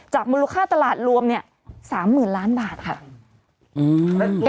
จากมูลค่าตลาดรวมเนี่ย๓๐๐๐๐๐๐๐บาทค่ะ